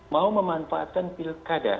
mau memanfaatkan pilkada